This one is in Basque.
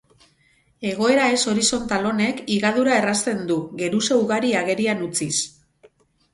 Egoera ez-horizontal honek higadura errazten du, geruza ugari agerian utziz.